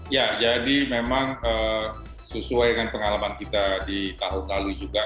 ya jadi memang sesuai dengan pengalaman kita di tahun lalu juga